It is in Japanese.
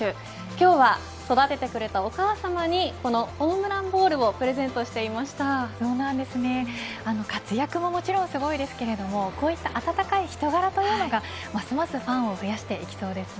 今日は育ててくれたお母さまにホームランボールを活躍もすごいですけどこういった温かい人柄というのがますますファンを増やしていきそうです。